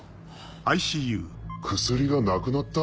薬がなくなった？